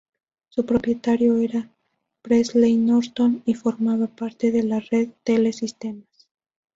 Su propietario era Presley Norton y formaba parte de la Red Tele Sistema.